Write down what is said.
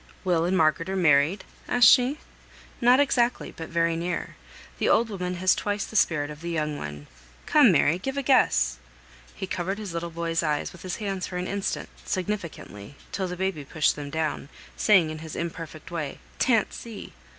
"Will and Margaret are married?" asked she. "Not exactly, but very near. The old woman has twice the spirit of the young one. Come, Mary, give a guess!" He covered his little boy's eyes with his hands for an instant, significantly, till the baby pushed them down, saying in his imperfect way, "Tan't see."